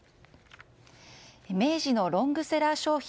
明治のロングセラー商品